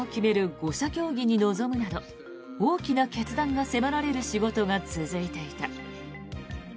５者協議に臨むなど大きな決断が迫られる仕事が続いていた。